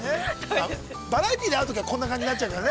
バラエティで会うときはこんな感じになっちゃうけどね。